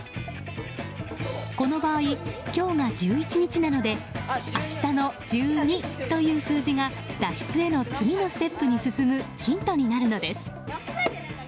この場合、今日が１１日なので明日の１２という数字が脱出への次のステップに進むヒントになるのです。